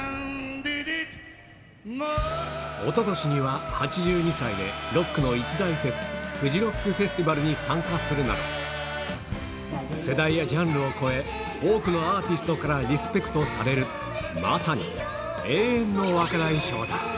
おととしには、８２歳でロックの一大フェス、フジロックフェスティバルに参加するなど、世代やジャンルを超え、多くのアーティストからリスペクトされる、まさに永遠の若大将だ。